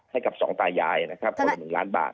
ให้กับ๒ตายายนะครับประมาณ๑ล้านบาท